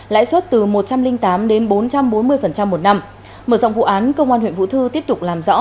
lãi suất từ một trăm linh tám đến bốn trăm bốn mươi một năm mở rộng vụ án công an huyện vũ thư tiếp tục làm rõ